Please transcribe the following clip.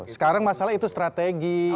sekarang masalah itu strategi